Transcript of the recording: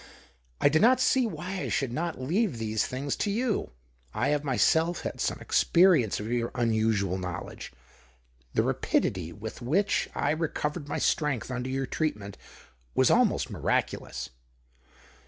I do not see /hy I should not leave these things to you. have myself had some experience of your musual knowledge — the rapidity with which recovered my strength under your treat aent was almost miraculous.